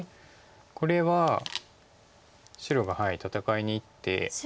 これは白が戦いにいって。